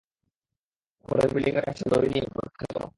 পরের বিল্ডিংয়ের কাছে লরি নিয়ে অপেক্ষা কর।